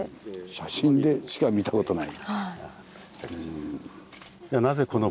写真でしか見た事ない。